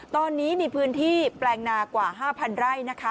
ตอนนี้มีพื้นที่แปลงนากว่า๕๐๐ไร่นะคะ